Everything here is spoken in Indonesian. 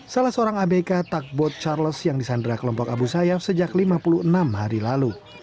salah seorang abk takbot charles yang disandra kelompok abu sayyaf sejak lima puluh enam hari lalu